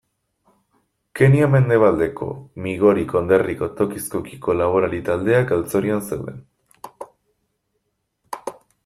Kenya mendebaldeko Migori konderriko tokiz tokiko laborari taldeak galtzorian zeuden.